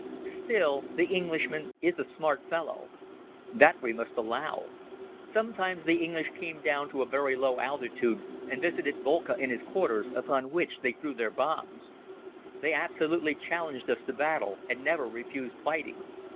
Still the Englishman is a smart fellow. That we must allow. Sometimes the English came down to a very low altitude and visited Boelcke in his quarters, upon which they threw their bombs. They absolutely challenged us to battle and never refused fighting.